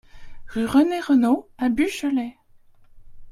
Rue René Renault à Buchelay